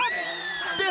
でも。